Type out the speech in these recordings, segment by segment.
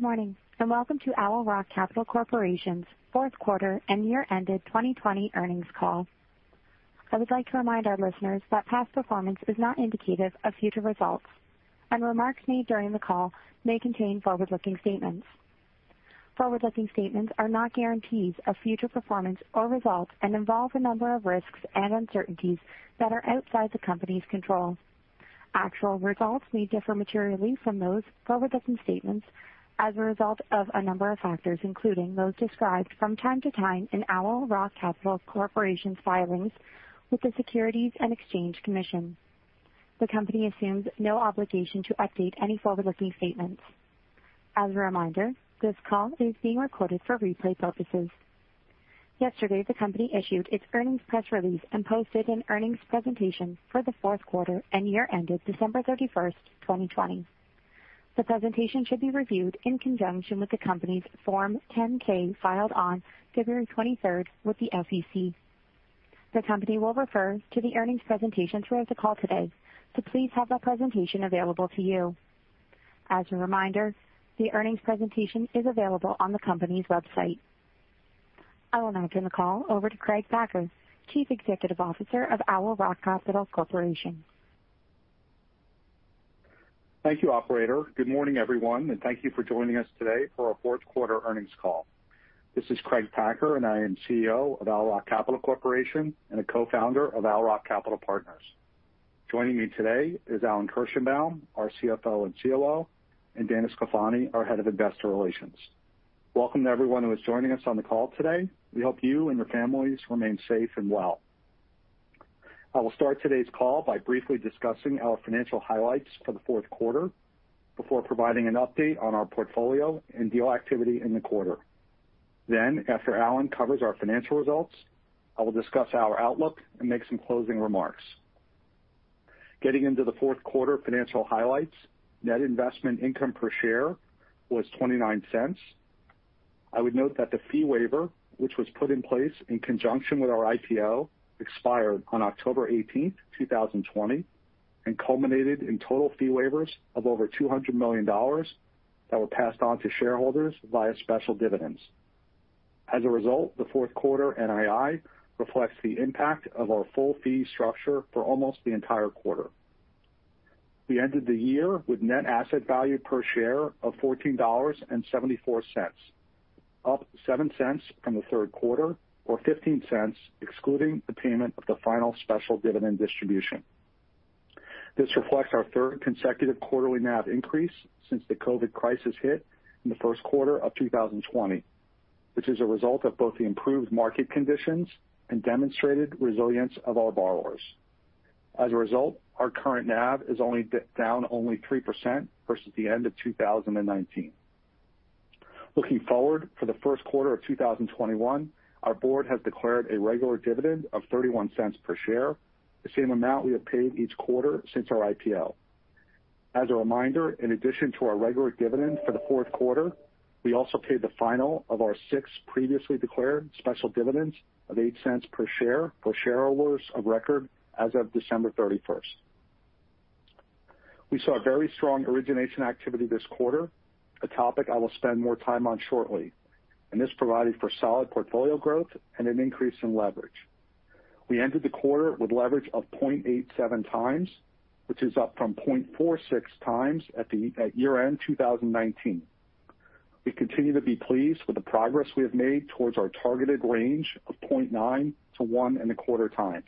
Good morning and welcome to Owl Rock Capital Corporation's fourth quarter and year-ended 2020 earnings call. I would like to remind our listeners that past performance is not indicative of future results, and remarks made during the call may contain forward-looking statements. Forward-looking statements are not guarantees of future performance or results and involve a number of risks and uncertainties that are outside the company's control. Actual results may differ materially from those forward-looking statements as a result of a number of factors including those described from time to time in Owl Rock Capital Corporation's filings with the Securities and Exchange Commission. The company assumes no obligation to update any forward-looking statements. As a reminder, this call is being recorded for replay purposes. Yesterday the company issued its earnings press release and posted an earnings presentation for the fourth quarter and year-ended December 31st, 2020. The presentation should be reviewed in conjunction with the company's Form 10-K filed on February 23rd with the SEC. The company will refer to the earnings presentation throughout the call today, so please have that presentation available to you. As a reminder, the earnings presentation is available on the company's website. I will now turn the call over to Craig Packer, Chief Executive Officer of Owl Rock Capital Corporation. Thank you, operator. Good morning, everyone, and thank you for joining us today for our fourth quarter earnings call. This is Craig Packer, and I am CEO of Owl Rock Capital Corporation and a co-founder of Owl Rock Capital Partners. Joining me today is Alan Kirshenbaum, our CFO and COO, and Dana Sclafani, our head of investor relations. Welcome to everyone who is joining us on the call today. We hope you and your families remain safe and well. I will start today's call by briefly discussing our financial highlights for the fourth quarter before providing an update on our portfolio and deal activity in the quarter. Then, after Alan covers our financial results, I will discuss our outlook and make some closing remarks. Getting into the fourth quarter financial highlights, net investment income per share was $0.29. I would note that the fee waiver, which was put in place in conjunction with our IPO, expired on October 18th, 2020, and culminated in total fee waivers of over $200 million that were passed on to shareholders via special dividends. As a result, the fourth quarter NII reflects the impact of our full fee structure for almost the entire quarter. We ended the year with net asset value per share of $14.74, up $0.07 from the third quarter or $0.15 excluding the payment of the final special dividend distribution. This reflects our third consecutive quarterly NAV increase since the COVID crisis hit in the first quarter of 2020, which is a result of both the improved market conditions and demonstrated resilience of our borrowers. As a result, our current NAV is down only 3% versus the end of 2019. Looking forward for the first quarter of 2021, our board has declared a regular dividend of $0.31 per share, the same amount we have paid each quarter since our IPO. As a reminder, in addition to our regular dividend for the fourth quarter, we also paid the final of our six previously declared special dividends of $0.08 per share for shareholders of record as of December 31st. We saw very strong origination activity this quarter, a topic I will spend more time on shortly, and this provided for solid portfolio growth and an increase in leverage. We ended the quarter with leverage of 0.87x, which is up from 0.46x at year-end 2019. We continue to be pleased with the progress we have made towards our targeted range of 0.9x-1.25x.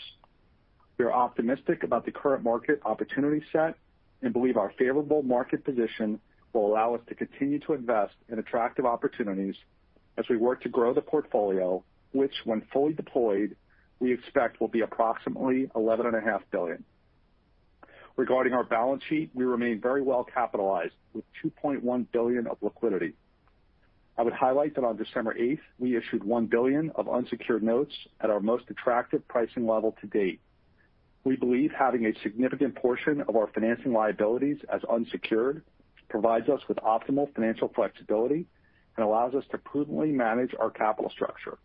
We are optimistic about the current market opportunity set and believe our favorable market position will allow us to continue to invest in attractive opportunities as we work to grow the portfolio, which, when fully deployed, we expect will be approximately $11.5 billion. Regarding our balance sheet, we remain very well capitalized with $2.1 billion of liquidity. I would highlight that on December 8th, we issued $1 billion of unsecured notes at our most attractive pricing level to date. We believe having a significant portion of our financing liabilities as unsecured provides us with optimal financial flexibility and allows us to prudently manage our capital structure.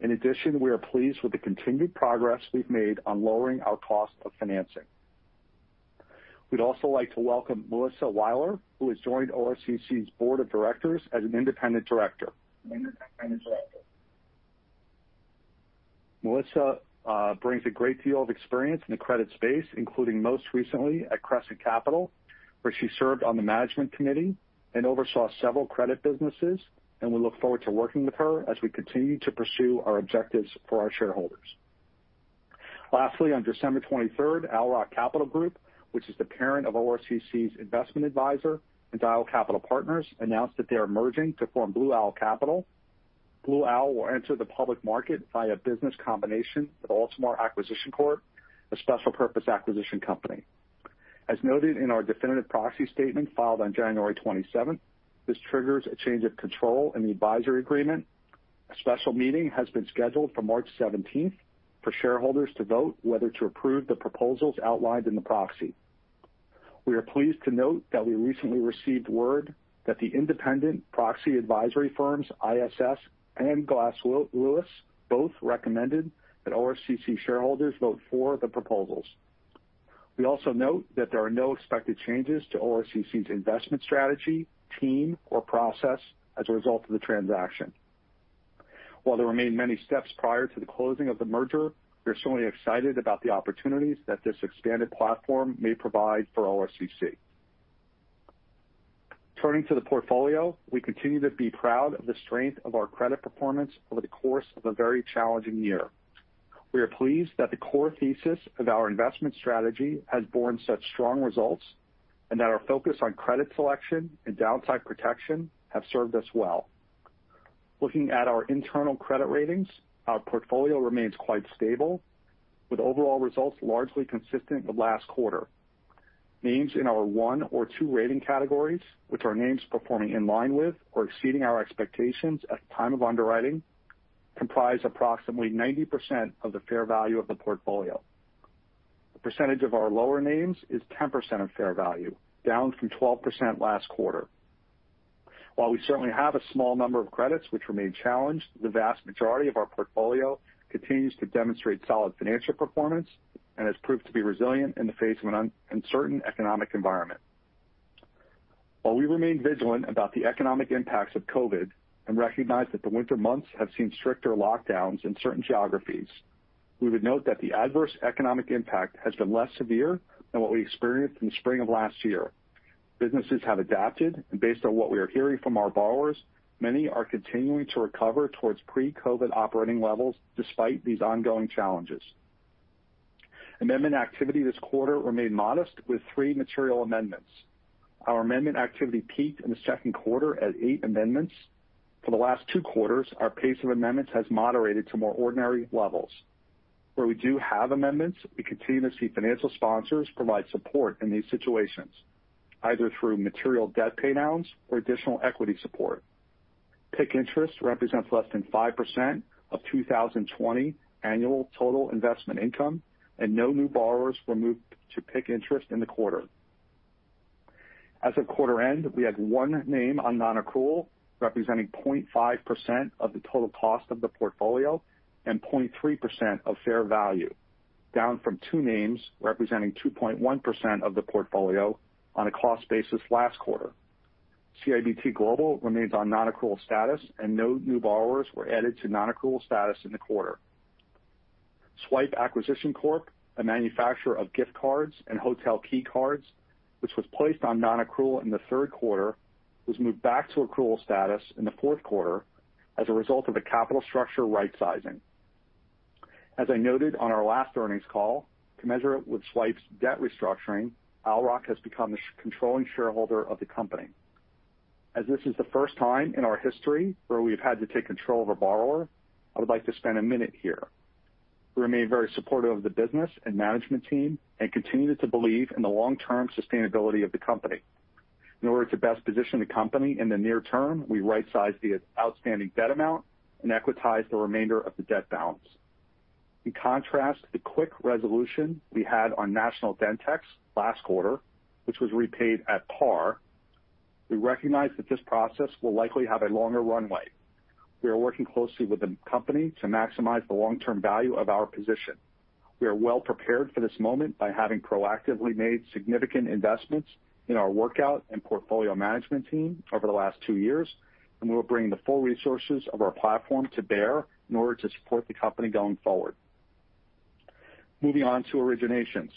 In addition, we are pleased with the continued progress we've made on lowering our cost of financing. We'd also like to welcome Melissa Weiler, who has joined ORCC's board of directors as an independent director. Independent director. Melissa brings a great deal of experience in the credit space, including most recently at Crescent Capital, where she served on the management committee and oversaw several credit businesses, and we look forward to working with her as we continue to pursue our objectives for our shareholders. Lastly, on December 23rd, Owl Rock Capital Group, which is the parent of ORCC's investment advisor and Dyal Capital Partners, announced that they are merging to form Blue Owl Capital. Blue Owl will enter the public market via a business combination with Altimar Acquisition Corp, a special purpose acquisition company. As noted in our definitive proxy statement filed on January 27th, this triggers a change of control in the advisory agreement. A special meeting has been scheduled for March 17th for shareholders to vote whether to approve the proposals outlined in the proxy. We are pleased to note that we recently received word that the independent proxy advisory firms ISS and Glass Lewis both recommended that ORCC shareholders vote for the proposals. We also note that there are no expected changes to ORCC's investment strategy, team, or process as a result of the transaction. While there remain many steps prior to the closing of the merger, we are certainly excited about the opportunities that this expanded platform may provide for ORCC. Turning to the portfolio, we continue to be proud of the strength of our credit performance over the course of a very challenging year. We are pleased that the core thesis of our investment strategy has borne such strong results and that our focus on credit selection and downside protection have served us well. Looking at our internal credit ratings, our portfolio remains quite stable, with overall results largely consistent with last quarter. Names in our one or two rating categories, which are names performing in line with or exceeding our expectations at the time of underwriting, comprise approximately 90% of the fair value of the portfolio. The percentage of our lower names is 10% of fair value, down from 12% last quarter. While we certainly have a small number of credits which remain challenged, the vast majority of our portfolio continues to demonstrate solid financial performance and has proved to be resilient in the face of an uncertain economic environment. While we remain vigilant about the economic impacts of COVID and recognize that the winter months have seen stricter lockdowns in certain geographies, we would note that the adverse economic impact has been less severe than what we experienced in the spring of last year. Businesses have adapted, and based on what we are hearing from our borrowers, many are continuing to recover towards pre-COVID operating levels despite these ongoing challenges. Amendment activity this quarter remained modest with three material amendments. Our amendment activity peaked in the second quarter at eight amendments. For the last two quarters, our pace of amendments has moderated to more ordinary levels. Where we do have amendments, we continue to see financial sponsors provide support in these situations, either through material debt paydowns or additional equity support. PIK interest represents less than 5% of 2020 annual total investment income, and no new borrowers were moved to PIK interest in the quarter. As of quarter end, we had one name on non-accrual representing 0.5% of the total cost of the portfolio and 0.3% of fair value, down from two names representing 2.1% of the portfolio on a cost basis last quarter. CIBT Global remains on non-accrual status, and no new borrowers were added to non-accrual status in the quarter. Swipe Acquisition Corp, a manufacturer of gift cards and hotel key cards, which was placed on non-accrual in the third quarter, was moved back to accrual status in the fourth quarter as a result of a capital structure right-sizing. As I noted on our last earnings call, to measure it with Swipe's debt restructuring, Owl Rock has become the controlling shareholder of the company. As this is the first time in our history where we have had to take control of a borrower, I would like to spend a minute here. We remain very supportive of the business and management team and continue to believe in the long-term sustainability of the company. In order to best position the company in the near term, we right-sized the outstanding debt amount and equitized the remainder of the debt balance. In contrast to the quick resolution we had on National Dentex last quarter, which was repaid at par, we recognize that this process will likely have a longer runway. We are working closely with the company to maximize the long-term value of our position. We are well prepared for this moment by having proactively made significant investments in our workout and portfolio management team over the last two years, and we will bring the full resources of our platform to bear in order to support the company going forward. Moving on to originations,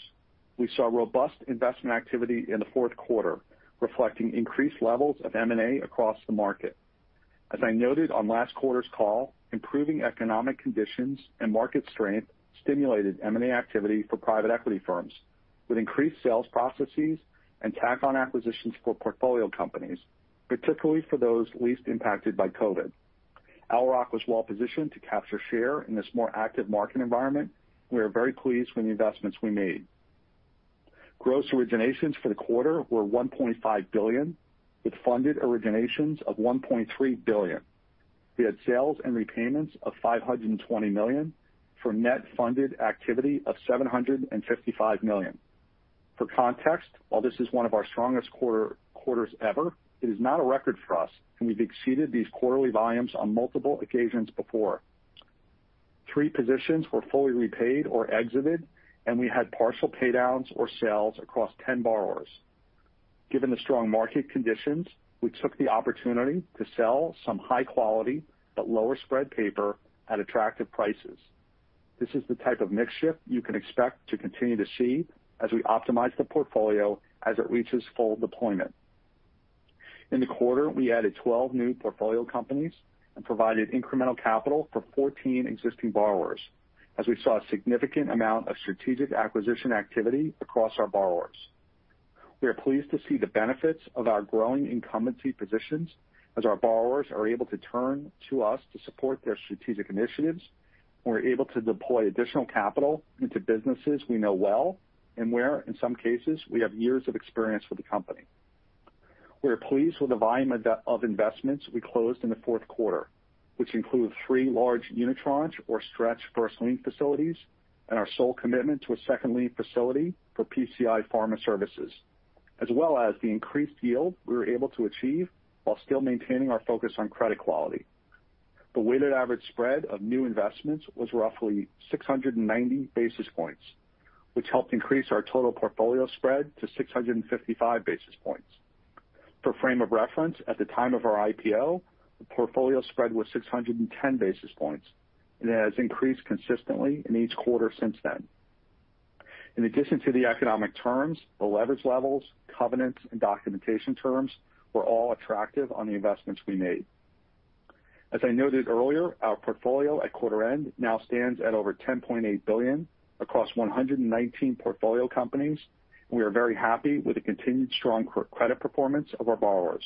we saw robust investment activity in the fourth quarter, reflecting increased levels of M&A across the market. As I noted on last quarter's call, improving economic conditions and market strength stimulated M&A activity for private equity firms with increased sales processes and tack-on acquisitions for portfolio companies, particularly for those least impacted by COVID. Owl Rock was well positioned to capture share in this more active market environment, and we are very pleased with the investments we made. Gross originations for the quarter were $1.5 billion, with funded originations of $1.3 billion. We had sales and repayments of $520 million for net funded activity of $755 million. For context, while this is one of our strongest quarters ever, it is not a record for us, and we've exceeded these quarterly volumes on multiple occasions before. Three positions were fully repaid or exited, and we had partial paydowns or sales across 10 borrowers. Given the strong market conditions, we took the opportunity to sell some high-quality but lower-spread paper at attractive prices. This is the type of mix-shift you can expect to continue to see as we optimize the portfolio as it reaches full deployment. In the quarter, we added 12 new portfolio companies and provided incremental capital for 14 existing borrowers, as we saw a significant amount of strategic acquisition activity across our borrowers. We are pleased to see the benefits of our growing incumbency positions as our borrowers are able to turn to us to support their strategic initiatives, and we're able to deploy additional capital into businesses we know well and where, in some cases, we have years of experience with the company. We are pleased with the volume of investments we closed in the fourth quarter, which include three large Unitranche or stretch first-lien facilities and our sole commitment to a second-lien facility for PCI Pharma Services, as well as the increased yield we were able to achieve while still maintaining our focus on credit quality. The weighted average spread of new investments was roughly 690 basis points, which helped increase our total portfolio spread to 655 basis points. For frame of reference, at the time of our IPO, the portfolio spread was 610 basis points, and it has increased consistently in each quarter since then. In addition to the economic terms, the leverage levels, covenants, and documentation terms were all attractive on the investments we made. As I noted earlier, our portfolio at quarter end now stands at over $10.8 billion across 119 portfolio companies, and we are very happy with the continued strong credit performance of our borrowers.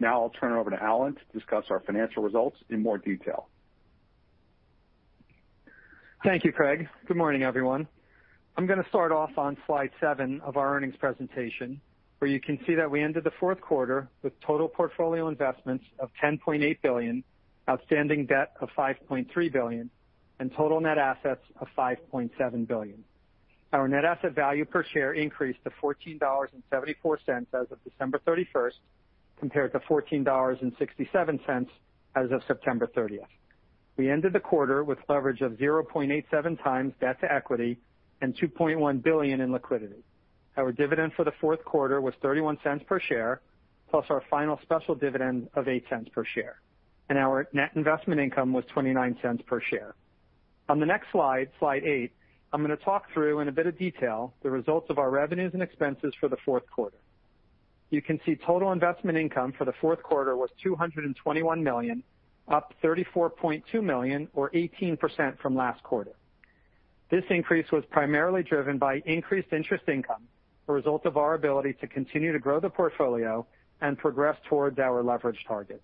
Now I'll turn it over to Alan to discuss our financial results in more detail. Thank you, Craig. Good morning, everyone. I'm going to start off on slide seven of our earnings presentation, where you can see that we ended the fourth quarter with total portfolio investments of $10.8 billion, outstanding debt of $5.3 billion, and total net assets of $5.7 billion. Our net asset value per share increased to $14.74 as of December 31st, compared to $14.67 as of September 30th. We ended the quarter with leverage of 0.87x debt to equity and $2.1 billion in liquidity. Our dividend for the fourth quarter was $0.31 per share, plus our final special dividend of $0.08 per share, and our net investment income was $0.29 per share. On the next slide, slide eight, I'm going to talk through in a bit of detail the results of our revenues and expenses for the fourth quarter. You can see total investment income for the fourth quarter was $221 million, up $34.2 million or 18% from last quarter. This increase was primarily driven by increased interest income as a result of our ability to continue to grow the portfolio and progress towards our leverage target.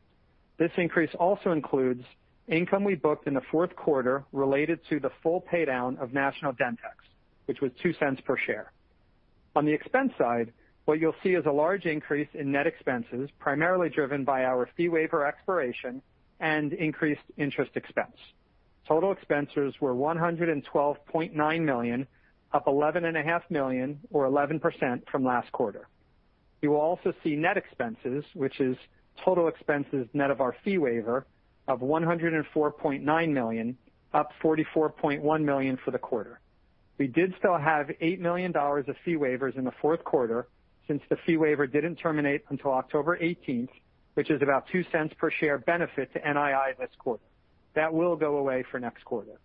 This increase also includes income we booked in the fourth quarter related to the full paydown of National Dentex, which was $0.02 per share. On the expense side, what you'll see is a large increase in net expenses, primarily driven by our fee waiver expiration and increased interest expense. Total expenses were $112.9 million, up $11.5 million or 11% from last quarter. You will also see net expenses, which is total expenses net of our fee waiver, of $104.9 million, up $44.1 million for the quarter. We did still have $8 million of fee waivers in the fourth quarter since the fee waiver didn't terminate until October 18th, which is about $0.02 per share benefit to NII this quarter. That will go away for next quarter.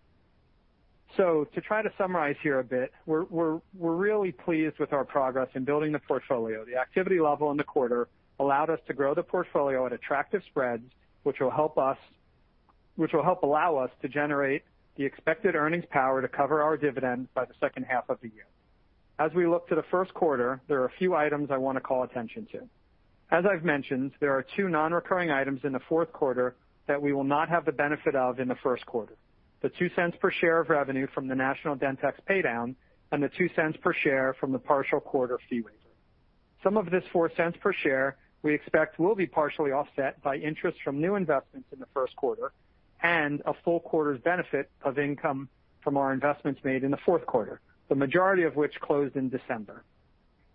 So to try to summarize here a bit, we're really pleased with our progress in building the portfolio. The activity level in the quarter allowed us to grow the portfolio at attractive spreads, which will help us allow us to generate the expected earnings power to cover our dividend by the second half of the year. As we look to the first quarter, there are a few items I want to call attention to. As I've mentioned, there are two non-recurring items in the fourth quarter that we will not have the benefit of in the first quarter: the $0.02 per share of revenue from the National Dentex paydown and the $0.02 per share from the partial quarter fee waiver. Some of this $0.04 per share, we expect, will be partially offset by interest from new investments in the first quarter and a full quarter's benefit of income from our investments made in the fourth quarter, the majority of which closed in December.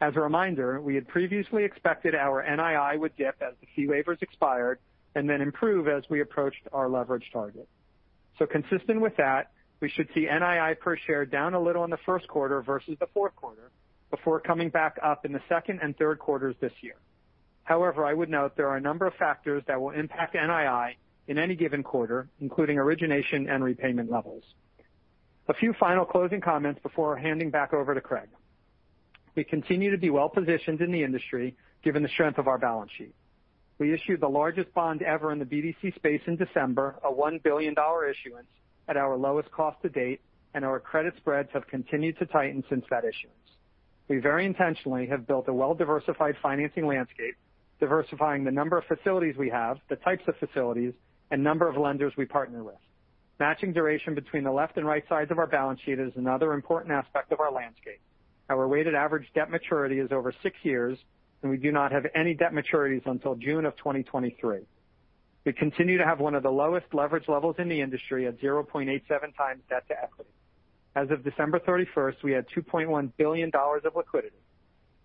As a reminder, we had previously expected our NII would dip as the fee waivers expired and then improve as we approached our leverage target. So consistent with that, we should see NII per share down a little in the first quarter versus the fourth quarter before coming back up in the second and third quarters this year. However, I would note there are a number of factors that will impact NII in any given quarter, including origination and repayment levels. A few final closing comments before handing back over to Craig. We continue to be well positioned in the industry given the strength of our balance sheet. We issued the largest bond ever in the BDC space in December, a $1 billion issuance at our lowest cost to date, and our credit spreads have continued to tighten since that issuance. We very intentionally have built a well-diversified financing landscape, diversifying the number of facilities we have, the types of facilities, and number of lenders we partner with. Matching duration between the left and right sides of our balance sheet is another important aspect of our landscape. Our weighted average debt maturity is over six years, and we do not have any debt maturities until June of 2023. We continue to have one of the lowest leverage levels in the industry at 0.87x debt to equity. As of December 31st, we had $2.1 billion of liquidity.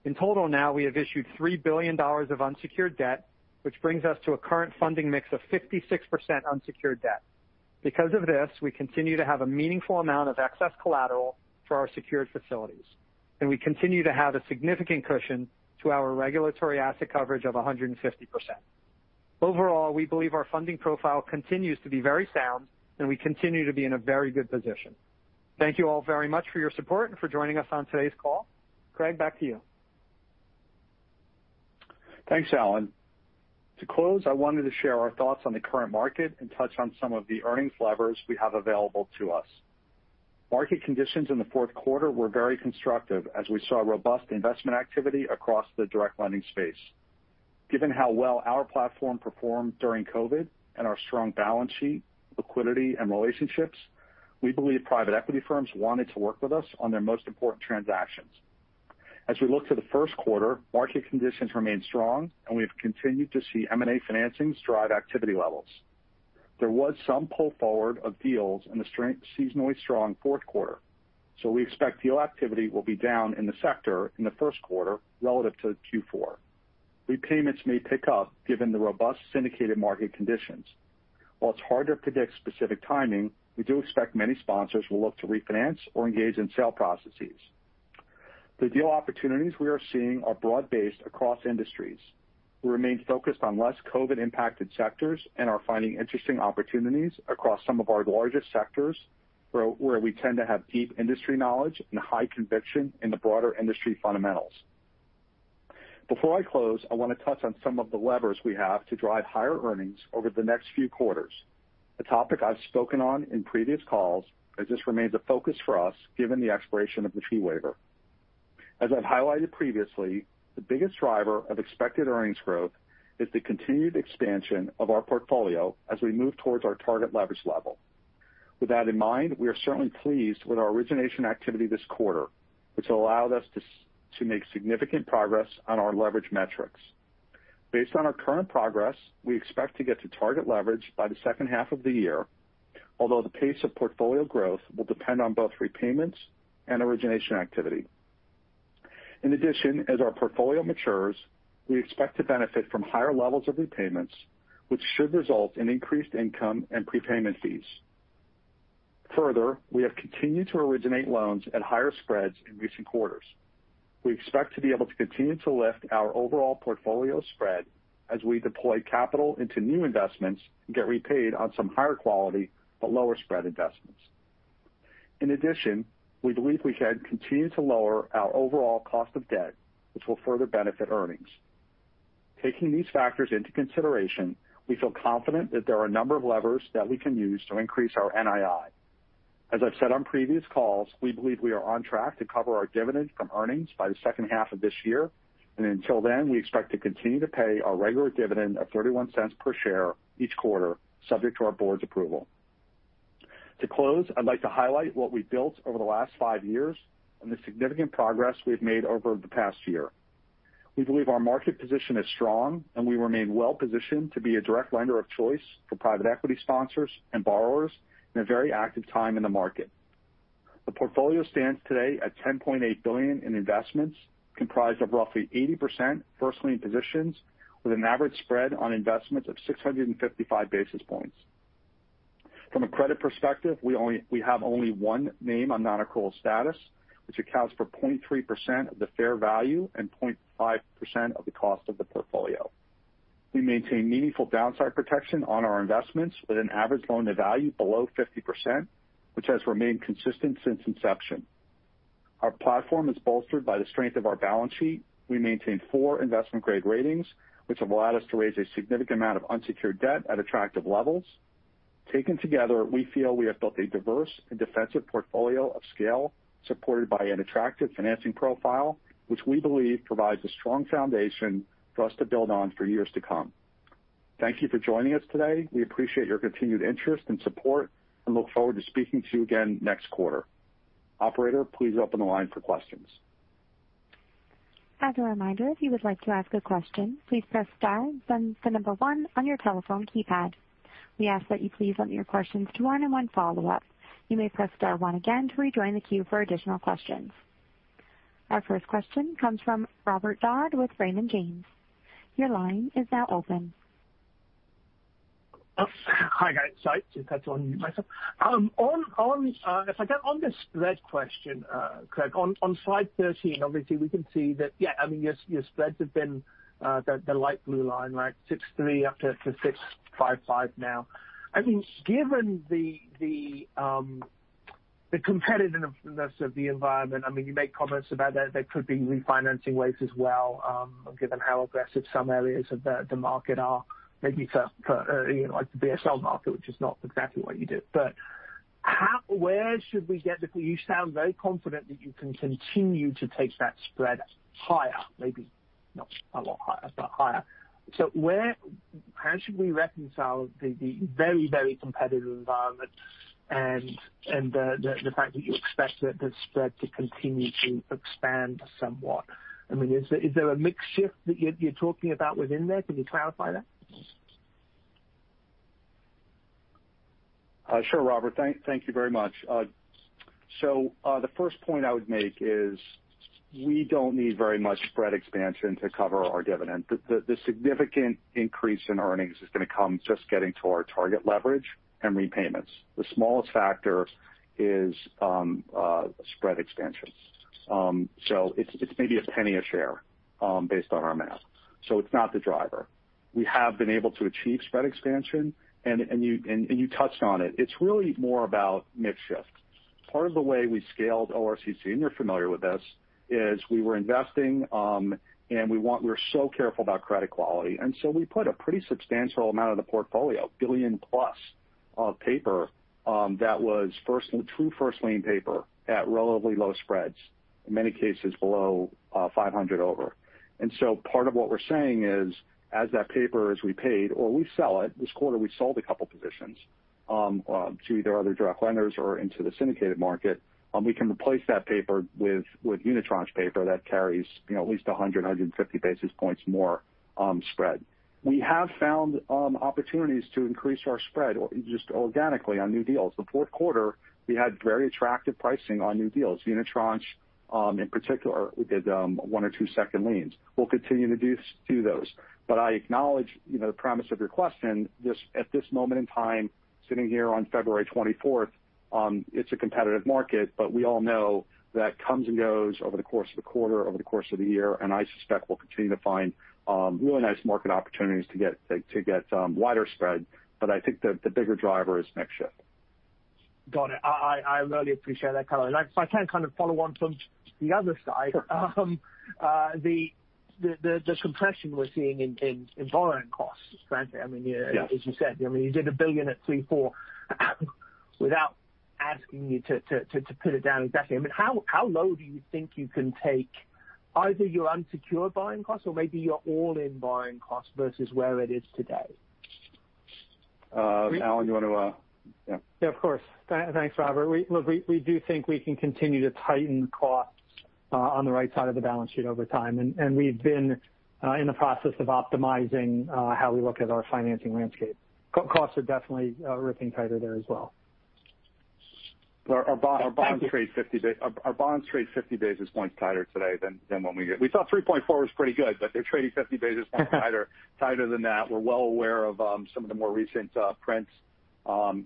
In total, now we have issued $3 billion of unsecured debt, which brings us to a current funding mix of 56% unsecured debt. Because of this, we continue to have a meaningful amount of excess collateral for our secured facilities, and we continue to have a significant cushion to our regulatory asset coverage of 150%. Overall, we believe our funding profile continues to be very sound, and we continue to be in a very good position. Thank you all very much for your support and for joining us on today's call. Craig, back to you. Thanks, Alan. To close, I wanted to share our thoughts on the current market and touch on some of the earnings levers we have available to us. Market conditions in the fourth quarter were very constructive as we saw robust investment activity across the direct lending space. Given how well our platform performed during COVID and our strong balance sheet, liquidity, and relationships, we believe private equity firms wanted to work with us on their most important transactions. As we look to the first quarter, market conditions remain strong, and we have continued to see M&A financings drive activity levels. There was some pull forward of deals in the seasonally strong fourth quarter, so we expect deal activity will be down in the sector in the first quarter relative to Q4. Repayments may pick up given the robust syndicated market conditions. While it's hard to predict specific timing, we do expect many sponsors will look to refinance or engage in sale processes. The deal opportunities we are seeing are broad-based across industries. We remain focused on less COVID-impacted sectors and are finding interesting opportunities across some of our largest sectors where we tend to have deep industry knowledge and high conviction in the broader industry fundamentals. Before I close, I want to touch on some of the levers we have to drive higher earnings over the next few quarters, a topic I've spoken on in previous calls as this remains a focus for us given the expiration of the fee waiver. As I've highlighted previously, the biggest driver of expected earnings growth is the continued expansion of our portfolio as we move towards our target leverage level. With that in mind, we are certainly pleased with our origination activity this quarter, which allowed us to make significant progress on our leverage metrics. Based on our current progress, we expect to get to target leverage by the second half of the year, although the pace of portfolio growth will depend on both repayments and origination activity. In addition, as our portfolio matures, we expect to benefit from higher levels of repayments, which should result in increased income and prepayment fees. Further, we have continued to originate loans at higher spreads in recent quarters. We expect to be able to continue to lift our overall portfolio spread as we deploy capital into new investments and get repaid on some higher quality but lower spread investments. In addition, we believe we can continue to lower our overall cost of debt, which will further benefit earnings. Taking these factors into consideration, we feel confident that there are a number of levers that we can use to increase our NII. As I've said on previous calls, we believe we are on track to cover our dividend from earnings by the second half of this year, and until then, we expect to continue to pay our regular dividend of $0.31 per share each quarter, subject to our board's approval. To close, I'd like to highlight what we built over the last five years and the significant progress we've made over the past year. We believe our market position is strong, and we remain well positioned to be a direct lender of choice for private equity sponsors and borrowers in a very active time in the market. The portfolio stands today at $10.8 billion in investments, comprised of roughly 80% first-lien positions with an average spread on investments of 655 basis points. From a credit perspective, we have only one name on non-accrual status, which accounts for 0.3% of the fair value and 0.5% of the cost of the portfolio. We maintain meaningful downside protection on our investments with an average loan-to-value below 50%, which has remained consistent since inception. Our platform is bolstered by the strength of our balance sheet. We maintain four investment-grade ratings, which have allowed us to raise a significant amount of unsecured debt at attractive levels. Taken together, we feel we have built a diverse and defensive portfolio of scale supported by an attractive financing profile, which we believe provides a strong foundation for us to build on for years to come. Thank you for joining us today. We appreciate your continued interest and support and look forward to speaking to you again next quarter. Operator, please open the line for questions. As a reminder, if you would like to ask a question, please press star and then the number one on your telephone keypad. We ask that you please limit your questions to one-on-one follow-up. You may press star one again to rejoin the queue for additional questions. Our first question comes from Robert Dodd with Raymond James. Your line is now open. Hi, guys. Sorry, I just had to unmute myself. If I get on the spread question, Craig, on slide 13, obviously, we can see that, yeah, I mean, your spreads have been the light blue line, right? 6.3-6.55 now. I mean, given the competitiveness of the environment, I mean, you make comments about there could be refinancing ways as well given how aggressive some areas of the market are, maybe for the BSL market, which is not exactly what you do. But where do we get that you sound very confident that you can continue to take that spread higher, maybe not a lot higher but higher. So how should we reconcile the very, very competitive environment and the fact that you expect the spread to continue to expand somewhat? I mean, is there a mixed shift that you're talking about within there? Can you clarify that? Sure, Robert. Thank you very much. So the first point I would make is we don't need very much spread expansion to cover our dividend. The significant increase in earnings is going to come just getting to our target leverage and repayments. The smallest factor is spread expansion. So it's maybe $0.01 a share based on our math, so it's not the driver. We have been able to achieve spread expansion, and you touched on it. It's really more about mixed shift. Part of the way we scaled ORCC, and you're familiar with this, is we were investing, and we were so careful about credit quality, and so we put a pretty substantial amount of the portfolio, $1 billion+ of paper that was true first-lien paper at relatively low spreads, in many cases below 500 over. Part of what we're saying is, as that paper is repaid, or we sell it this quarter, we sold a couple positions to either other direct lenders or into the syndicated market. We can replace that paper with Unitranche paper that carries at least 100-150 basis points more spread. We have found opportunities to increase our spread just organically on new deals. The fourth quarter, we had very attractive pricing on new deals. Unitranche, in particular, we did one or two second-lien. We'll continue to do those. But I acknowledge the premise of your question. At this moment in time, sitting here on February 24th, it's a competitive market, but we all know that comes and goes over the course of the quarter, over the course of the year, and I suspect we'll continue to find really nice market opportunities to get wider spread. But I think the bigger driver is mixed shift. Got it. I really appreciate that, Craig. And if I can kind of follow on from the other side, the compression we're seeing in borrowing costs, frankly, I mean, as you said, I mean, you did $1 billion at Q4 without asking you to put it down exactly. I mean, how low do you think you can take either your unsecured borrowing costs or maybe your all-in borrowing costs versus where it is today? Alan, do you want to yeah. Yeah, of course. Thanks, Robert. Look, we do think we can continue to tighten costs on the right side of the balance sheet over time, and we've been in the process of optimizing how we look at our financing landscape. Costs are definitely ripping tighter there as well. Our bonds trade 50 basis points. Our bonds trade 50 basis points tighter today than when we get. We thought 3.4 was pretty good, but they're trading 50 basis points tighter than that. We're well aware of some of the more recent prints. Our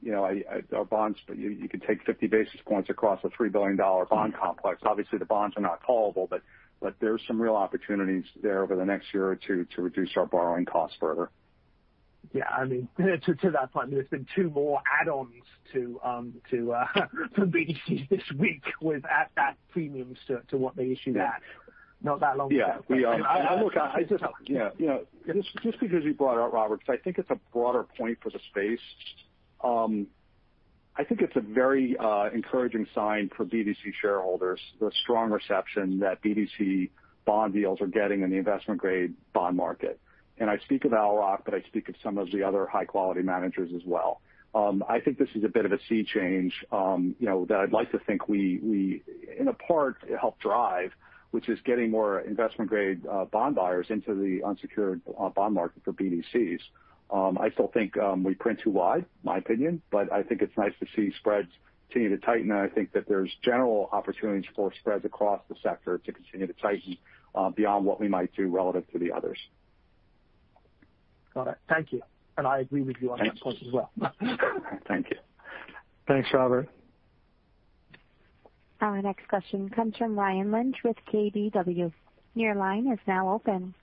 bonds, you can take 50 basis points across a $3 billion bond complex. Obviously, the bonds are not callable, but there's some real opportunities there over the next year or two to reduce our borrowing costs further. Yeah, I mean, to that point, I mean, there's been 2 more add-ons from BDC this week with at-back premiums to what they issue that, not that long ago. Yeah. Look, I just yeah. Just because you brought it up, Robert, because I think it's a broader point for the space, I think it's a very encouraging sign for BDC shareholders, the strong reception that BDC bond deals are getting in the investment-grade bond market. And I speak of Owl Rock, but I speak of some of the other high-quality managers as well. I think this is a bit of a sea change that I'd like to think we, in part, helped drive, which is getting more investment-grade bond buyers into the unsecured bond market for BDCs. I still think we print too wide, my opinion, but I think it's nice to see spreads continue to tighten, and I think that there's general opportunities for spreads across the sector to continue to tighten beyond what we might do relative to the others. Got it. Thank you. And I agree with you on that point as well. Thank you. Thanks, Robert. Our next question comes from Ryan Lynch with KBW. Your line is now open.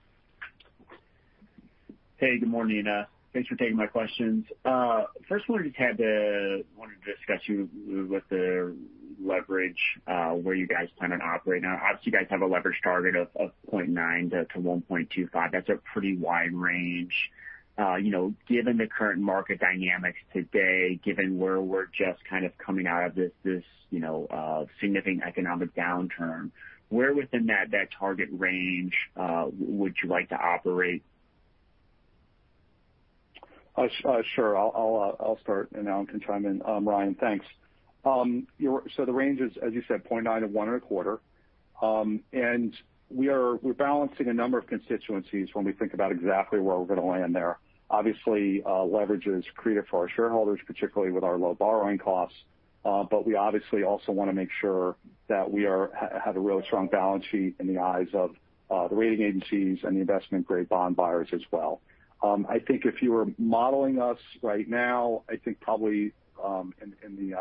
Hey, good morning, everyone. Thanks for taking my questions. First, I wanted to discuss with the leverage where you guys plan on operating. Obviously, you guys have a leverage target of 0.9-1.25. That's a pretty wide range. Given the current market dynamics today, given where we're just kind of coming out of this significant economic downturn, where within that target range would you like to operate? Sure. I'll start, and Alan can chime in. Ryan, thanks. So the range is, as you said, 0.9x-1.25x. And we're balancing a number of constituencies when we think about exactly where we're going to land there. Obviously, leverage is accretive for our shareholders, particularly with our low borrowing costs, but we obviously also want to make sure that we have a really strong balance sheet in the eyes of the rating agencies and the investment-grade bond buyers as well. I think if you were modeling us right now, I think probably in the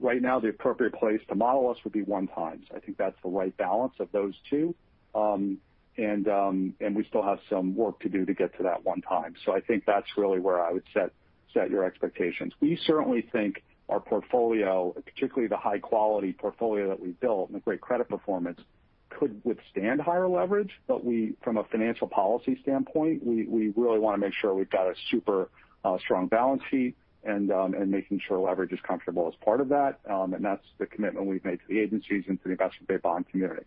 right now, the appropriate place to model us would be 1x. I think that's the right balance of those two, and we still have some work to do to get to that 1x. So I think that's really where I would set your expectations. We certainly think our portfolio, particularly the high-quality portfolio that we built and the great credit performance, could withstand higher leverage, but from a financial policy standpoint, we really want to make sure we've got a super strong balance sheet and making sure leverage is comfortable as part of that. And that's the commitment we've made to the agencies and to the investment-grade bond community.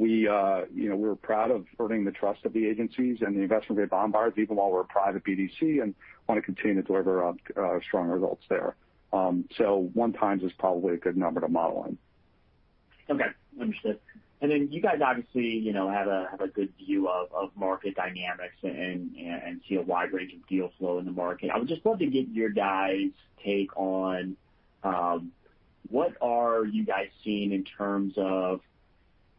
We're proud of earning the trust of the agencies and the investment-grade bond buyers, even while we're a private BDC, and want to continue to deliver strong results there. So 1x is probably a good number to model in. Okay. Understood. And then you guys obviously have a good view of market dynamics and see a wide range of deal flow in the market. I would just love to get your guys' take on what are you guys seeing in terms of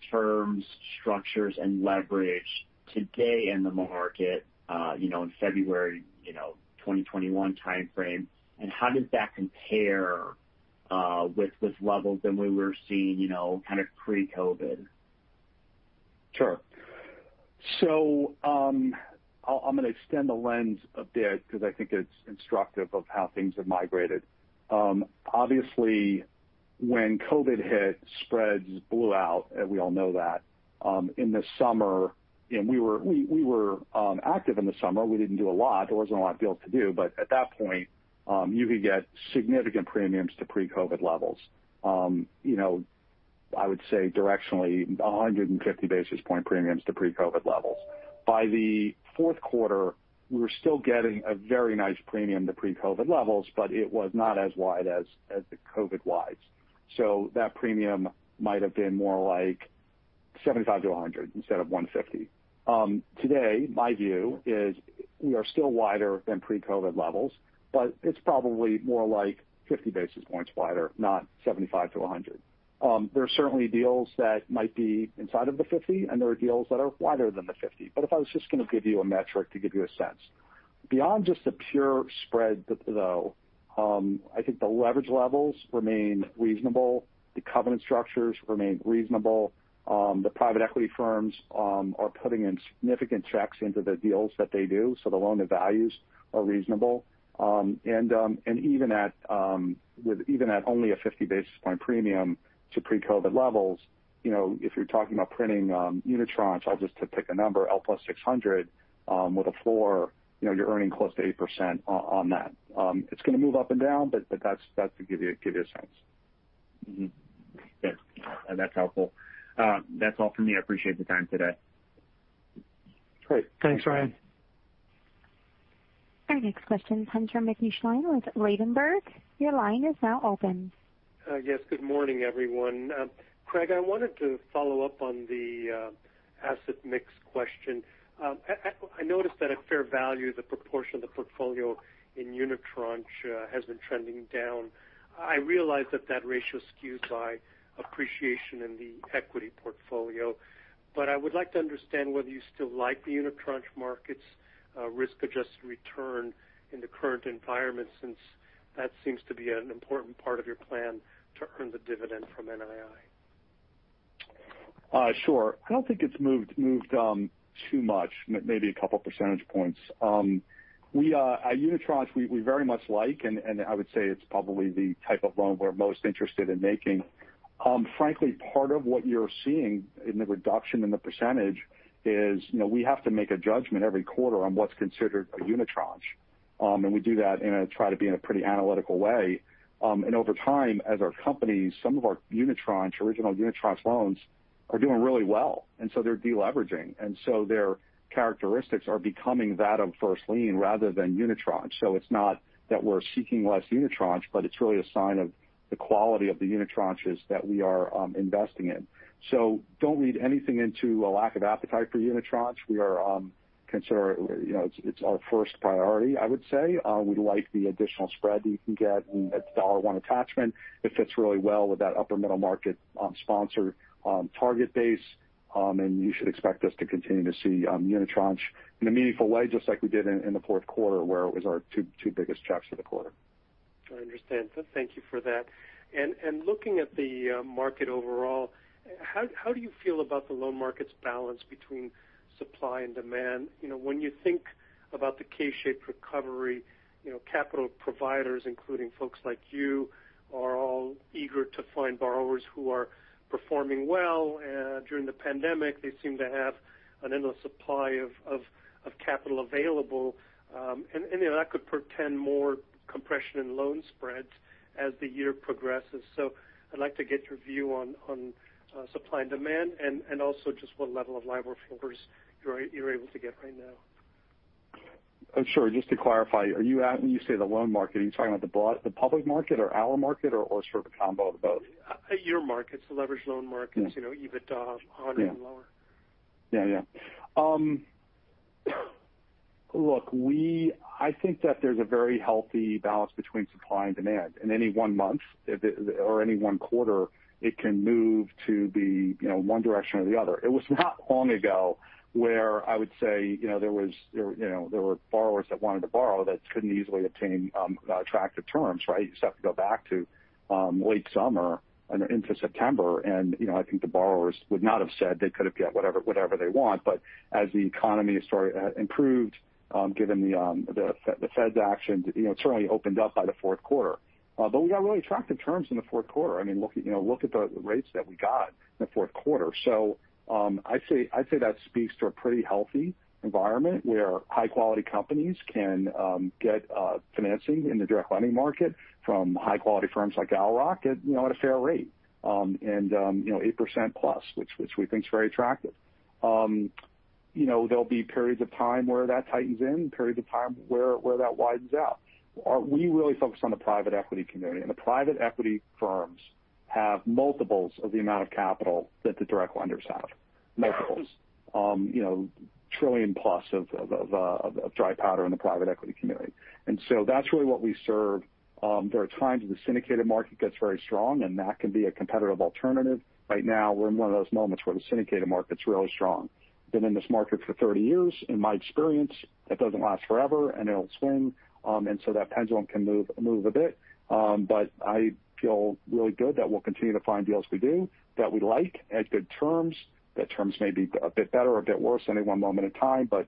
terms, structures, and leverage today in the market in February 2021 timeframe, and how does that compare with levels than we were seeing kind of pre-COVID? Sure. So I'm going to extend the lens a bit because I think it's instructive of how things have migrated. Obviously, when COVID hit, spreads blew out, and we all know that. In the summer, we were active in the summer. We didn't do a lot. There wasn't a lot of deals to do, but at that point, you could get significant premiums to pre-COVID levels. I would say directionally, 150 basis point premiums to pre-COVID levels. By the fourth quarter, we were still getting a very nice premium to pre-COVID levels, but it was not as wide as the COVID-wides. So that premium might have been more like 75-100 instead of 150. Today, my view is we are still wider than pre-COVID levels, but it's probably more like 50 basis points wider, not 75-100. There are certainly deals that might be inside of the 50, and there are deals that are wider than the 50. But if I was just going to give you a metric to give you a sense, beyond just the pure spread, though, I think the leverage levels remain reasonable. The covenant structures remain reasonable. The private equity firms are putting in significant checks into the deals that they do, so the loan-to-value ratios are reasonable. And even at only a 50 basis point premium to pre-COVID levels, if you're talking about printing Unitranches, I'll just pick a number, L plus 600, with a floor, you're earning close to 8% on that. It's going to move up and down, but that's to give you a sense. Good. That's helpful. That's all from me. I appreciate the time today. Great. Thanks, Ryan. Our next question comes from Mickey Schleien with Ladenburg. Your line is now open. Yes. Good morning, everyone. Craig, I wanted to follow up on the asset mix question. I noticed that at fair value, the proportion of the portfolio in Unitranche has been trending down. I realize that that ratio skews by appreciation in the equity portfolio, but I would like to understand whether you still like the Unitranche market's risk-adjusted return in the current environment since that seems to be an important part of your plan to earn the dividend from NII. Sure. I don't think it's moved too much, maybe a couple percentage points. Unitranche, we very much like, and I would say it's probably the type of loan we're most interested in making. Frankly, part of what you're seeing in the reduction in the percentage is we have to make a judgment every quarter on what's considered a Unitranche, and we do that and try to be in a pretty analytical way. And over time, as our companies, some of our Unitranche, original Unitranche loans, are doing really well, and so they're deleveraging, and so their characteristics are becoming that of first-lien rather than Unitranche. So it's not that we're seeking less Unitranche, but it's really a sign of the quality of the Unitranche that we are investing in. So don't read anything into a lack of appetite for Unitranche. We consider it our first priority, I would say. We like the additional spread that you can get at the dollar-one attachment. It fits really well with that upper middle market sponsor target base, and you should expect us to continue to see Unitranches in a meaningful way, just like we did in the fourth quarter where it was our two biggest checks of the quarter. I understand. Thank you for that. Looking at the market overall, how do you feel about the loan market's balance between supply and demand? When you think about the K-shaped recovery, capital providers, including folks like you, are all eager to find borrowers who are performing well. During the pandemic, they seem to have an endless supply of capital available, and that could portend more compression in loan spreads as the year progresses. I'd like to get your view on supply and demand and also just what level of LIBOR floors you're able to get right now. Sure. Just to clarify, when you say the loan market, are you talking about the public market or illiquid market or sort of a combo of both? Your markets, the leveraged loan markets, EBITDA $100 and lower. Yeah. Yeah. Yeah. Look, I think that there's a very healthy balance between supply and demand. In any one month or any one quarter, it can move to be one direction or the other. It was not long ago where I would say there were borrowers that wanted to borrow that couldn't easily obtain attractive terms, right? You just have to go back to late summer into September, and I think the borrowers would not have said they could have got whatever they want. But as the economy has improved, given the Fed's action, it certainly opened up by the fourth quarter. But we got really attractive terms in the fourth quarter. I mean, look at the rates that we got in the fourth quarter. So I'd say that speaks to a pretty healthy environment where high-quality companies can get financing in the direct lending market from high-quality firms like Owl Rock at a fair rate and 8%+, which we think's very attractive. There'll be periods of time where that tightens in, periods of time where that widens out. We really focus on the private equity community, and the private equity firms have multiples of the amount of capital that the direct lenders have, multiples, trillion-plus of dry powder in the private equity community. And so that's really what we serve. There are times when the syndicated market gets very strong, and that can be a competitive alternative. Right now, we're in one of those moments where the syndicated market's really strong. Been in this market for 30 years. In my experience, that doesn't last forever, and it'll swing, and so that pendulum can move a bit. But I feel really good that we'll continue to find deals we do that we like at good terms, that terms may be a bit better, a bit worse at any one moment in time, but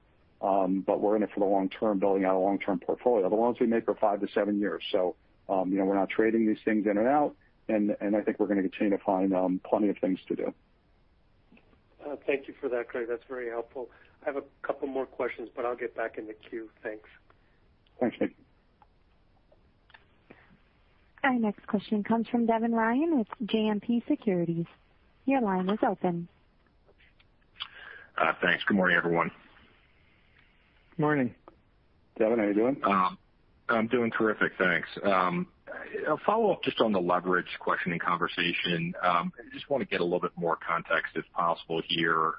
we're in it for the long term, building out a long-term portfolio. The loans we make are 5-7 years, so we're not trading these things in and out, and I think we're going to continue to find plenty of things to do. Thank you for that, Craig. That's very helpful. I have a couple more questions, but I'll get back in the queue. Thanks. Thanks, Nick. Our next question comes from Devin Ryan with JMP Securities. Your line is open. Thanks. Good morning, everyone. Good morning, Devin. How are you doing? I'm doing terrific. Thanks. A follow-up just on the leverage questioning conversation. I just want to get a little bit more context if possible here.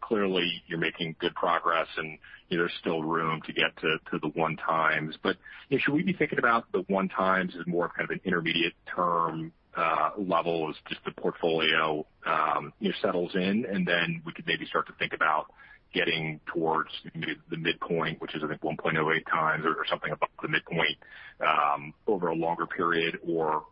Clearly, you're making good progress, and there's still room to get to the 1x. But should we be thinking about the 1x as more of kind of an intermediate term level as just the portfolio settles in, and then we could maybe start to think about getting towards maybe the midpoint, which is, I think, 1.08x or something above the midpoint over a longer period or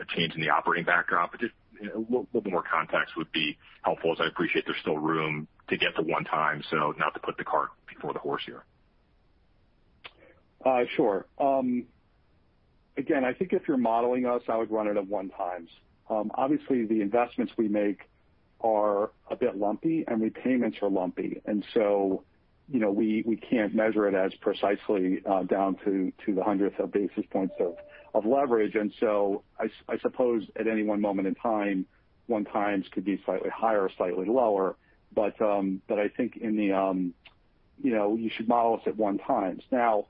a change in the operating backdrop? But just a little bit more context would be helpful, as I appreciate there's still room to get to 1x, so not to put the cart before the horse here. Sure. Again, I think if you're modeling us, I would run it at 1x. Obviously, the investments we make are a bit lumpy, and repayments are lumpy, and so we can't measure it as precisely down to the hundredth of basis points of leverage. And so I suppose at any one moment in time, 1x could be slightly higher or slightly lower, but I think you should model us at 1x. Now,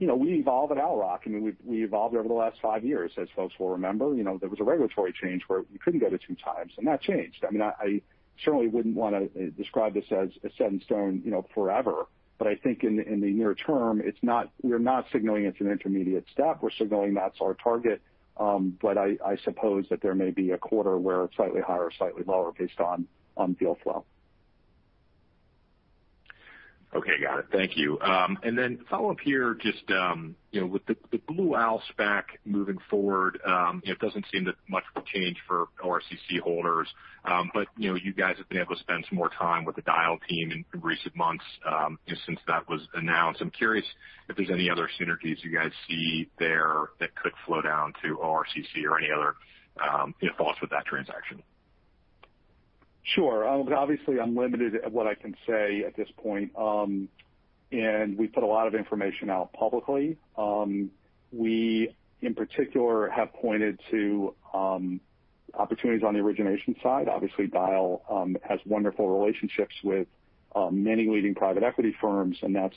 we evolved at Owl Rock. I mean, we evolved over the last five years, as folks will remember. There was a regulatory change where you couldn't go to 2x, and that changed. I mean, I certainly wouldn't want to describe this as a set in stone forever, but I think in the near term, we're not signaling it's an intermediate step. We're signaling that's our target, but I suppose that there may be a quarter where it's slightly higher or slightly lower based on deal flow. Okay. Got it. Thank you. And then follow-up here, just with the Blue Owl SPAC moving forward, it doesn't seem that much will change for ORCC holders, but you guys have been able to spend some more time with the Dyal team in recent months since that was announced. I'm curious if there's any other synergies you guys see there that could flow down to ORCC or any other thoughts with that transaction. Sure. Obviously, I'm limited at what I can say at this point, and we put a lot of information out publicly. We, in particular, have pointed to opportunities on the origination side. Obviously, Dyal has wonderful relationships with many leading private equity firms, and that's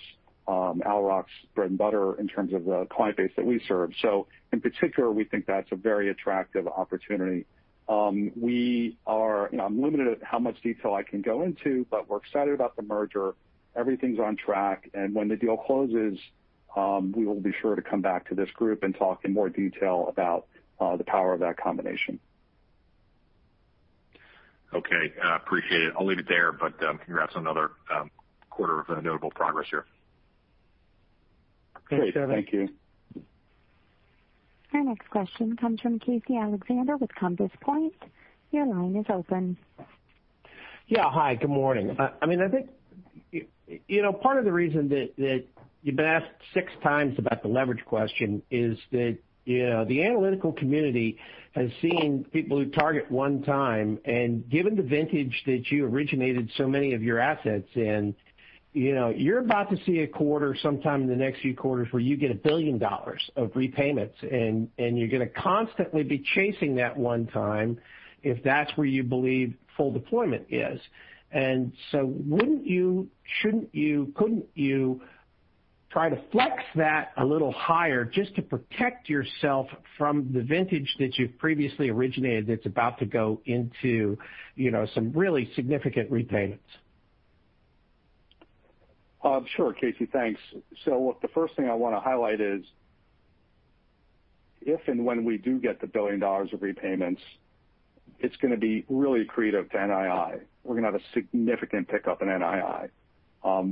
Owl Rock's bread and butter in terms of the client base that we serve. So in particular, we think that's a very attractive opportunity. I'm limited at how much detail I can go into, but we're excited about the merger. Everything's on track, and when the deal closes, we will be sure to come back to this group and talk in more detail about the power of that combination. Okay. Appreciate it. I'll leave it there, but congrats on another quarter of notable progress here. Great. Thank you. Our next question comes from Casey Alexander with Compass Point. Your line is open. Yeah. Hi. Good morning. I mean, I think part of the reason that you've been asked 6x about the leverage question is that the analytical community has seen people who target one time, and given the vintage that you originated so many of your assets in, you're about to see a quarter, sometime in the next few quarters, where you get $1 billion of repayments, and you're going to constantly be chasing that one time if that's where you believe full deployment is. And so wouldn't you, couldn't you try to flex that a little higher just to protect yourself from the vintage that you've previously originated that's about to go into some really significant repayments? Sure, Casey. Thanks. So look, the first thing I want to highlight is if and when we do get the $1 billion of repayments, it's going to be really accretive to NII. We're going to have a significant pickup in NII,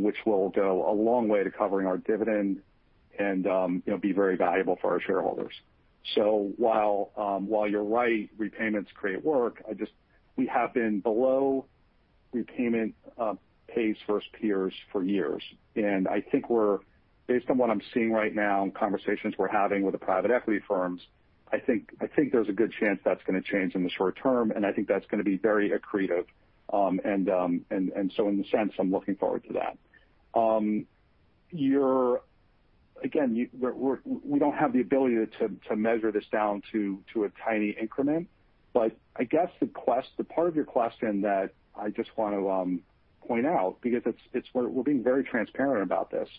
which will go a long way to covering our dividend and be very valuable for our shareholders. So while you're right, repayments create work, we have been below repayment pace versus peers for years, and I think we're, based on what I'm seeing right now in conversations we're having with the private equity firms, I think there's a good chance that's going to change in the short term, and I think that's going to be very accretive. And so in the sense, I'm looking forward to that. Again, we don't have the ability to measure this down to a tiny increment, but I guess the part of your question that I just want to point out because we're being very transparent about this,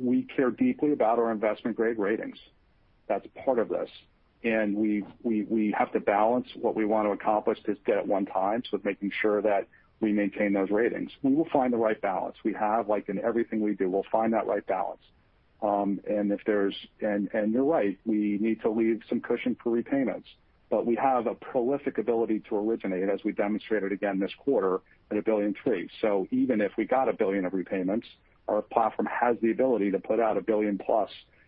we care deeply about our investment-grade ratings. That's part of this, and we have to balance what we want to accomplish to get at one time with making sure that we maintain those ratings. We will find the right balance. We have, in everything we do, we'll find that right balance. And you're right, we need to leave some cushion for repayments, but we have a prolific ability to originate, as we demonstrated again this quarter, at $1.3 billion. So even if we got $1 billion of repayments, our platform has the ability to put out $1 billion+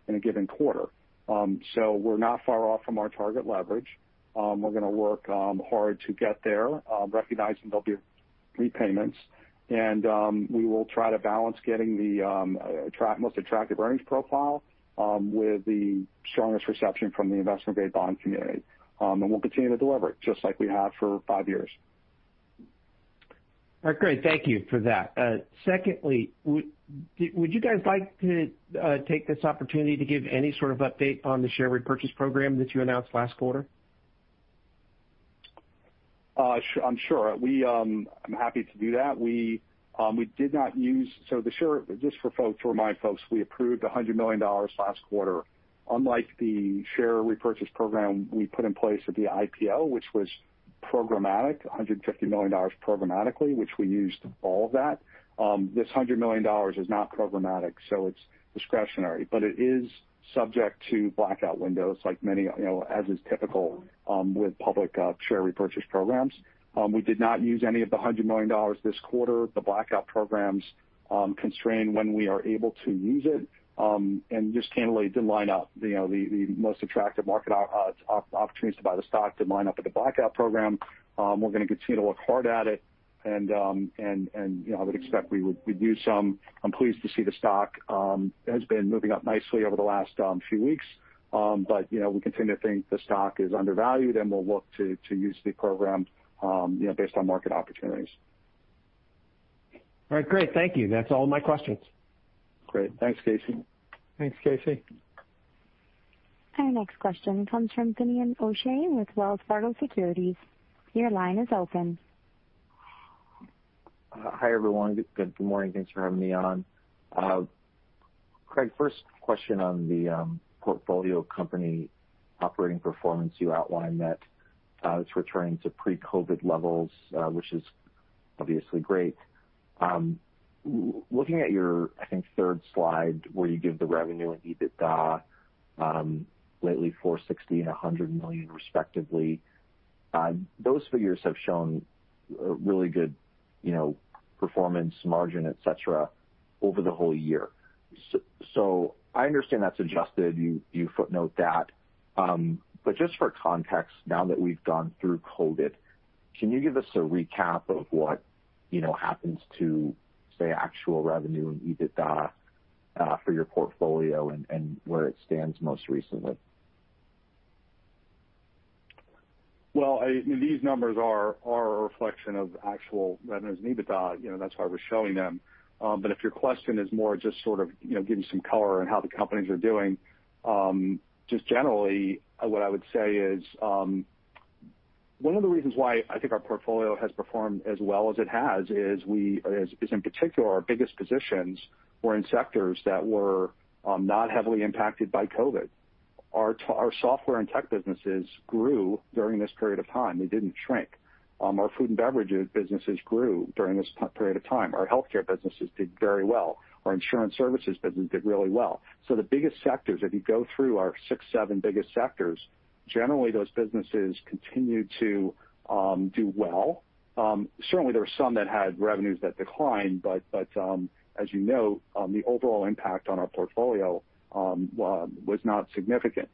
in a given quarter. So we're not far off from our target leverage. We're going to work hard to get there, recognizing there'll be repayments, and we will try to balance getting the most attractive earnings profile with the strongest reception from the investment-grade bond community, and we'll continue to deliver it just like we have for five years. All right. Great. Thank you for that. Secondly, would you guys like to take this opportunity to give any sort of update on the share repurchase program that you announced last quarter? I'm sure. I'm happy to do that. We did not use, so just for my folks, we approved $100 million last quarter. Unlike the share repurchase program we put in place at the IPO, which was programmatic $150 million programmatically, which we used all of that, this $100 million is not programmatic, so it's discretionary, but it is subject to blackout windows, as is typical with public share repurchase programs. We did not use any of the $100 million this quarter. The blackout programs constrain when we are able to use it, and just candidly, it didn't line up. The most attractive market opportunities to buy the stock didn't line up with the blackout program. We're going to continue to look hard at it, and I would expect we would use some. I'm pleased to see the stock has been moving up nicely over the last few weeks, but we continue to think the stock is undervalued, and we'll look to use the program based on market opportunities. All right. Great. Thank you. That's all of my questions. Great. Thanks, Casey. Thanks, Casey. Our next question comes from Finian O'Shea with Wells Fargo Securities. Your line is open. Hi, everyone. Good morning. Thanks for having me on. Craig, first question on the portfolio company operating performance you outlined that's returning to pre-COVID levels, which is obviously great. Looking at your, I think, third slide where you give the revenue and EBITDA lately, $460 million and $100 million respectively, those figures have shown a really good performance margin, etc., over the whole year. So I understand that's adjusted. You footnote that. But just for context, now that we've gone through COVID, can you give us a recap of what happens to, say, actual revenue and EBITDA for your portfolio and where it stands most recently? Well, these numbers are a reflection of actual revenues and EBITDA. That's why we're showing them. But if your question is more just sort of giving some color on how the companies are doing, just generally, what I would say is one of the reasons why I think our portfolio has performed as well as it has is, in particular, our biggest positions were in sectors that were not heavily impacted by COVID. Our software and tech businesses grew during this period of time. They didn't shrink. Our food and beverage businesses grew during this period of time. Our healthcare businesses did very well. Our insurance services business did really well. So the biggest sectors, if you go through our six, seven biggest sectors, generally, those businesses continued to do well. Certainly, there were some that had revenues that declined, but as you know, the overall impact on our portfolio was not significant.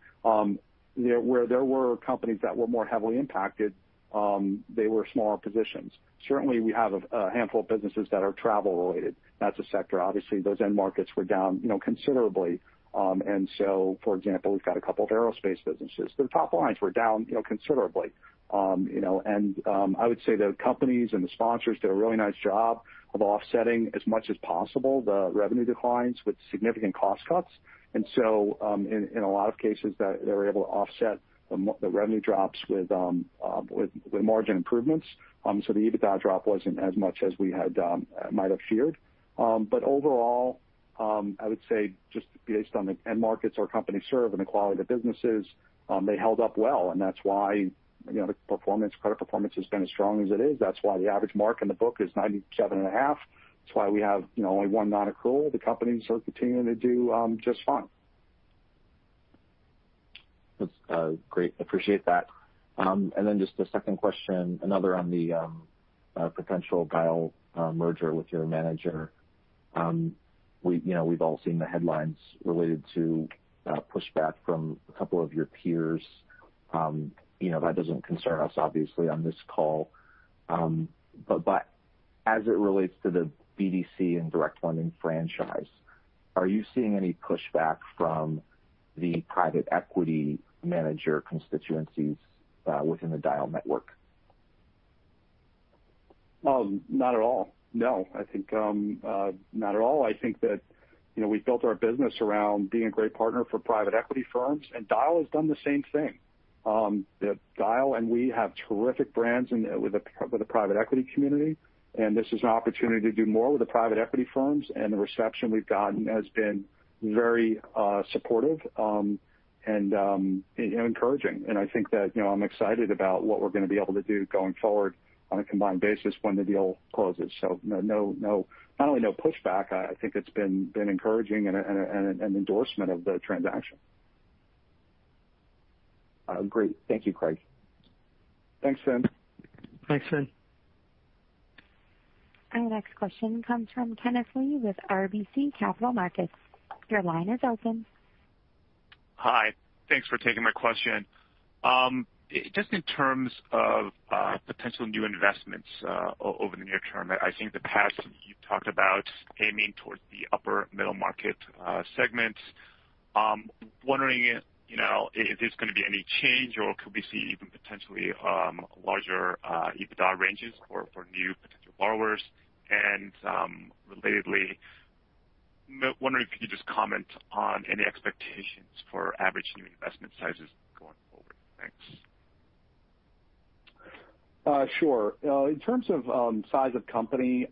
Where there were companies that were more heavily impacted, they were smaller positions. Certainly, we have a handful of businesses that are travel-related. That's a sector. Obviously, those end markets were down considerably, and so, for example, we've got a couple of aerospace businesses. The top lines were down considerably, and I would say the companies and the sponsors did a really nice job of offsetting as much as possible the revenue declines with significant cost cuts. And so in a lot of cases, they were able to offset the revenue drops with margin improvements, so the EBITDA drop wasn't as much as we might have feared. Overall, I would say just based on the end markets our companies serve and the quality of the businesses, they held up well, and that's why the credit performance has been as strong as it is. That's why the average mark in the book is 97.5. That's why we have only one non-accrual. The companies are continuing to do just fine. That's great. Appreciate that. And then just the second question, another on the potential Dyal merger with your manager. We've all seen the headlines related to pushback from a couple of your peers. That doesn't concern us, obviously, on this call. But as it relates to the BDC and direct lending franchise, are you seeing any pushback from the private equity manager constituencies within the Dyal network? Not at all. No. I think not at all. I think that we've built our business around being a great partner for private equity firms, and Dyal has done the same thing. Dyal and we have terrific brands with the private equity community, and this is an opportunity to do more with the private equity firms, and the reception we've gotten has been very supportive and encouraging. And I think that I'm excited about what we're going to be able to do going forward on a combined basis when the deal closes. So not only no pushback, I think it's been encouraging and an endorsement of the transaction. Great. Thank you, Craig. Thanks, Finn. Thanks, Finn. Our next question comes from Kenneth Lee with RBC Capital Markets. Your line is open. Hi. Thanks for taking my question. Just in terms of potential new investments over the near term, I think the past you've talked about aiming towards the upper middle market segments. Wondering if there's going to be any change, or could we see even potentially larger EBITDA ranges for new potential borrowers? And relatedly, wondering if you could just comment on any expectations for average new investment sizes going forward. Thanks. Sure. In terms of size of company,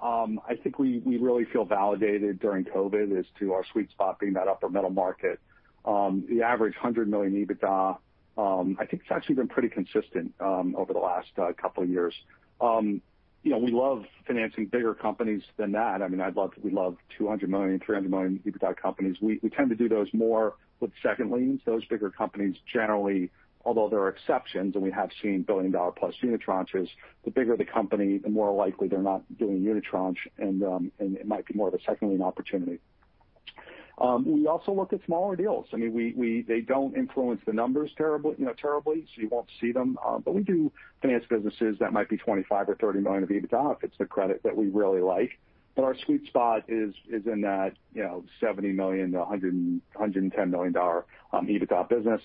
I think we really feel validated during COVID as to our sweet spot being that upper middle market. The average 100 million EBITDA, I think it's actually been pretty consistent over the last couple of years. We love financing bigger companies than that. I mean, we love 200 million, 300 million EBITDA companies. We tend to do those more with second-lien. Those bigger companies, generally, although there are exceptions, and we have seen billion-dollar-plus Unitranche, the bigger the company, the more likely they're not doing Unitranche, and it might be more of a second-lien opportunity. We also look at smaller deals. I mean, they don't influence the numbers terribly, so you won't see them, but we do finance businesses that might be 25 or 30 million of EBITDA if it's the credit that we really like. But our sweet spot is in that $70 million-$110 million EBITDA business,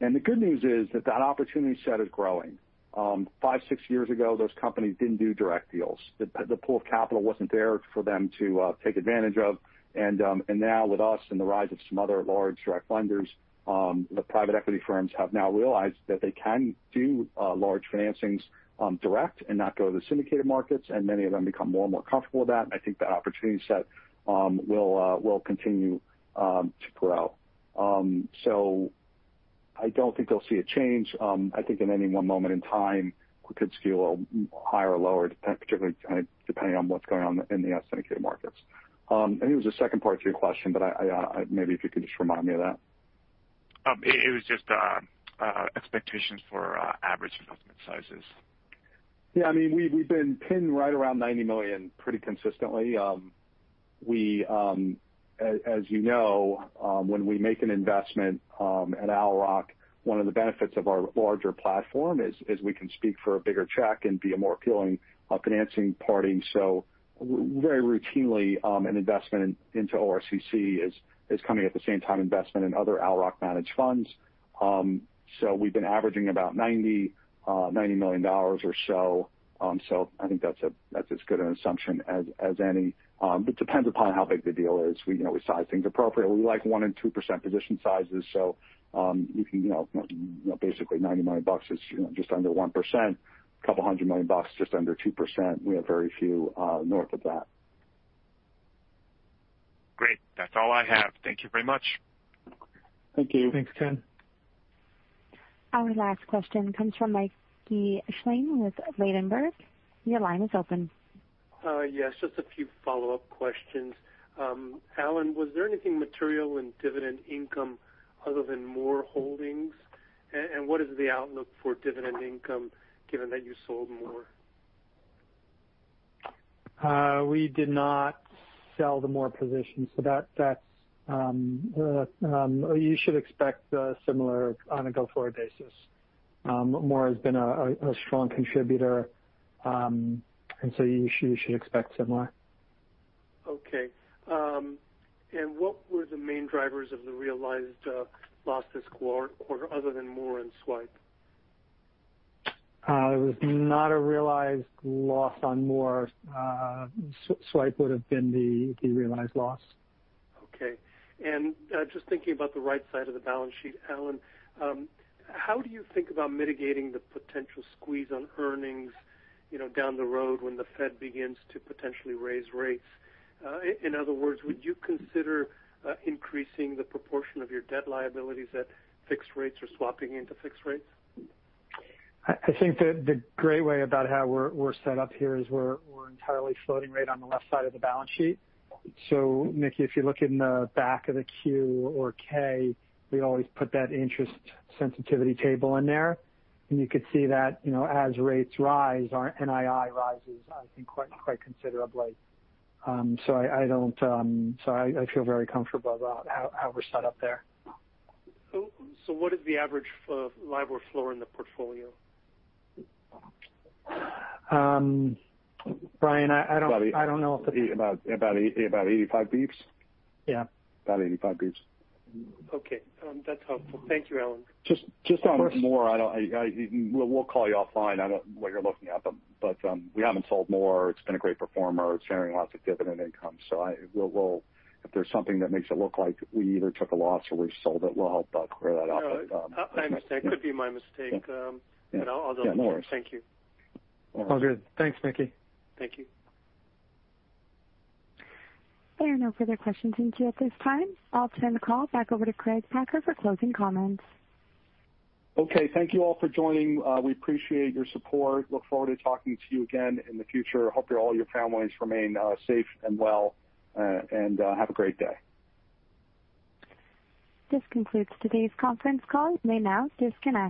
and the good news is that that opportunity set is growing. Five, six years ago, those companies didn't do direct deals. The pool of capital wasn't there for them to take advantage of, and now with us and the rise of some other large direct lenders, the private equity firms have now realized that they can do large financings direct and not go to the syndicated markets, and many of them become more and more comfortable with that. And I think that opportunity set will continue to grow. So I don't think they'll see a change. I think at any one moment in time, we could skew a higher or lower, particularly depending on what's going on in the unsyndicated markets. I think it was the second part to your question, but maybe if you could just remind me of that. It was just expectations for average investment sizes. Yeah. I mean, we've been pinned right around $90 million pretty consistently. As you know, when we make an investment at Owl Rock, one of the benefits of our larger platform is we can speak for a bigger check and be a more appealing financing party. So very routinely, an investment into ORCC is coming at the same time as investment in other Owl Rock-managed funds. So we've been averaging about $90 million or so, so I think that's as good an assumption as any. It depends upon how big the deal is. We size things appropriately. We like 1% and 2% position sizes, so you can basically $90 million bucks is just under 1%, a couple hundred million bucks just under 2%. We have very few north of that. Great. That's all I have. Thank you very much. Thank you. Thanks, Finn. Our last question comes from Mickey Schleien with Ladenburg Thalmann. Your line is open. Yes. Just a few follow-up questions. Alan, was there anything material in dividend income other than Wingspire Capital, and what is the outlook for dividend income given that you sold Wingspire? We did not sell the Wingspire positions, so you should expect similar on a go-forward basis. Wingspire has been a strong contributor, and so you should expect similar. Okay. And what were the main drivers of the realized loss this quarter other than Wingspire and Swipe? There was not a realized loss on Wingspire. Swipe would have been the realized loss. Okay. Just thinking about the right side of the balance sheet, Alan, how do you think about mitigating the potential squeeze on earnings down the road when the Fed begins to potentially raise rates? In other words, would you consider increasing the proportion of your debt liabilities at fixed rates or swapping into fixed rates? I think the great way about how we're set up here is we're entirely floating rate on the left side of the balance sheet. So, Mickey, if you look in the back of the Q or K, we always put that interest sensitivity table in there, and you could see that as rates rise, our NII rises, I think, quite considerably. So, I don't, so I feel very comfortable about how we're set up there. So what is the average LIBOR floor in the portfolio? Brian, I don't know if it's. About 85 beeps? Yeah. About 85 beeps. Okay. That's helpful. Thank you, Alan. Just on Wingspire, we'll call you offline. I don't know what you're looking at, but we haven't sold Wingspire. It's been a great performer. It's generating lots of dividend income, so if there's something that makes it look like we either took a loss or we sold it, we'll help clear that up. No, I understand. It could be my mistake, but I'll just. Yeah, no worries. Thank you. All right. All good. Thanks, Mickey. Thank you. There are no further questions in here at this time. I'll turn the call back over to Craig Packer for closing comments. Okay. Thank you all for joining. We appreciate your support. Look forward to talking to you again in the future. Hope all your families remain safe and well, and have a great day. This concludes today's conference call. You may now disconnect.